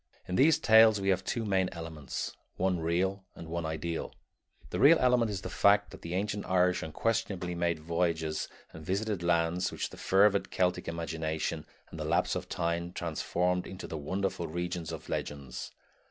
In these tales we have two main elements, one real and one ideal. The real element is the fact that the ancient Irish unquestionably made voyages and visited lands which the fervid Celtic imagination and the lapse of time transformed into the wonderful regions of the legends.